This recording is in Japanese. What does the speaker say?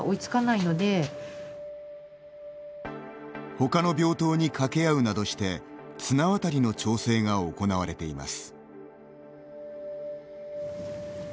ほかの病棟に掛け合うなどして綱渡りの調整が行われています。